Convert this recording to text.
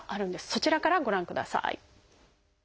そちらからご覧ください。